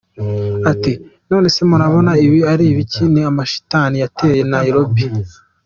Ati: “none se murabona ibi ari ibiki? Ni amashitani yateye Nairobi”.